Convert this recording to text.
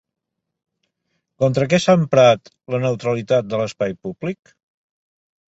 Contra què s'ha emprat la neutralitat de l'espai públic?